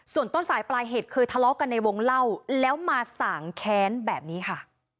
ส่วนต้นสายปลายเหตุเคยทะเลาะกันในวงเล่าแล้วมาสางแค้นแบบนี้ค่ะ